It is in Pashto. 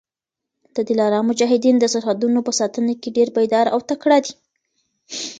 د دلارام مجاهدین د سرحدونو په ساتنه کي ډېر بېداره او تکړه دي.